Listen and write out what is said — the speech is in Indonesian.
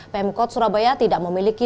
pemkot surabaya tidak memiliki